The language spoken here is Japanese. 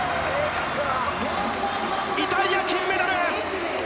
イタリア、金メダル！